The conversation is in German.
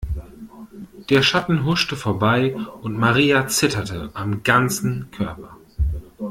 Der Schatten huschte vorbei und Maria zitterte am ganzen Körper.